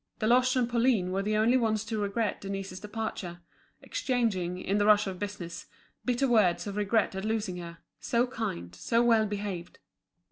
Deloche and Pauline were the only ones to regret Denise's departure, exchanging, in the rush of business, bitter words of regret at losing her, so kind, so well behaved.